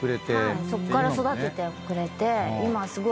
そっから育ててくれて。